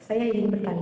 saya yang pertama kali